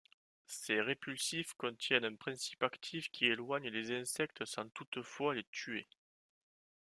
Ces répulsifs contiennent un principe actif qui éloigne les insectes sans toutefois les tuer.